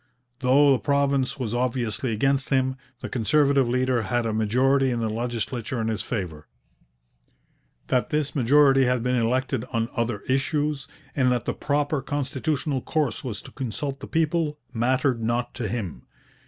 Though the province was obviously against him, the Conservative leader had a majority in the legislature in his favour. That this majority had been elected on other issues, and that the proper constitutional course was to consult the people, mattered not to him.